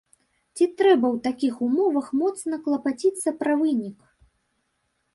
Ці трэба ў такіх умовах моцна клапаціцца пра вынік?